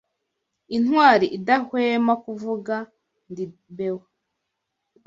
Intwari idahwema kuvuga "Ndi Bewo